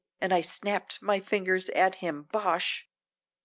and I snapped my finger at him "bosh!